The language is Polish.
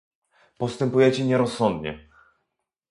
Postępujecie nierozsądnie!